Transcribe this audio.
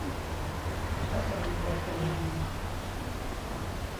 พัสดุไปรษณีย์